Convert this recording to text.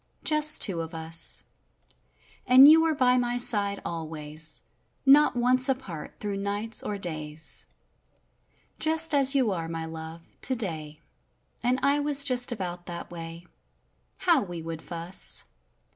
Just two of us; And you were by my side always; not once apart through nights or days, Just as you are, my love, today; and I was just about that way— How we would fuss!